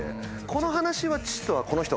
この話は父とはこの人がする。